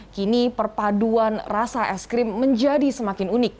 kini perpaduan rasa es krim menjadi semakin unik